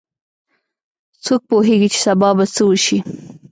څوک پوهیږي چې سبا به څه وشي